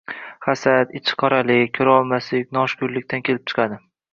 Hasad, ichiqoralik, ko‘rolmaslik noshukrlikdan kelib chiqadi.